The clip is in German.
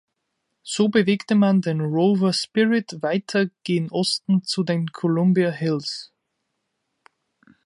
So bewegte man den Rover Spirit weiter gen Osten zu den Columbia-Hills.